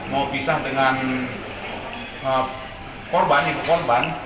mau pisah dengan korban ibu korban